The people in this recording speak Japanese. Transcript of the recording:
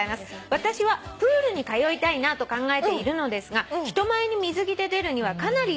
「私はプールに通いたいなと考えているのですが人前に水着で出るにはかなり勇気がいる体形です」